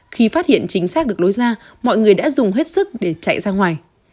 khi phát hiện chính xác được lối ra mọi người đã dùng hết sức để chạy ra ngoài